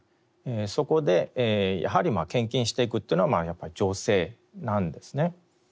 そこでやはり献金していくというのはやっぱり女性なんですね。